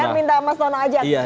nanti ya minta mas tono ajak